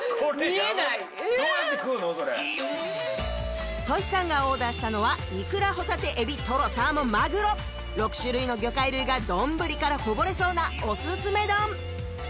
見えないハハハトシさんがオーダーしたのはイクラホタテエビトロサーモンマグロ６種類の魚介類が丼からこぼれそうな「おすすめ丼」